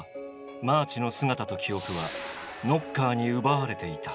マーチの姿と記憶はノッカーに奪われていた。